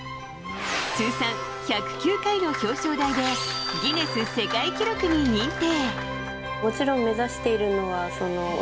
通算、１０９回の表彰台でギネス世界記録に認定。